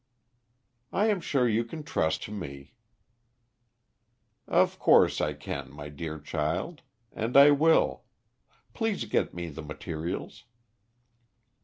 "I am sure you can trust to me." "Of course I can, my dear child. And I will. Please get me the materials."